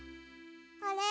あれ？